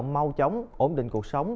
mau chóng ổn định cuộc sống